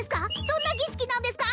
どんな儀式なんですか？